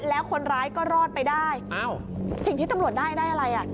แล้วคนร้ายก็รอดไปได้อ้าวสิ่งที่ตำรวจได้ได้อะไรอ่ะ